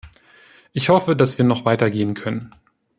Ich hoffe, dass wir noch weitergehen können.